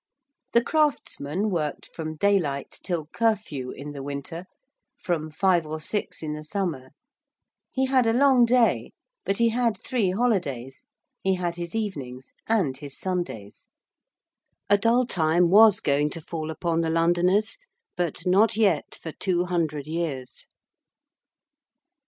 The craftsman worked from daylight till curfew in the winter: from five or six in the summer: he had a long day: but he had three holidays: he had his evenings: and his Sundays. A dull time was going to fall upon the Londoners, but not yet for two hundred years.